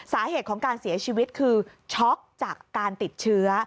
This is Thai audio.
สาเหตุของการเสียชีวิตคือช็อกจากการติดเชื้อ